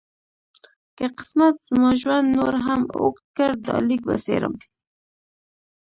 که قسمت زما ژوند نور هم اوږد کړ دا لیک به څېرم.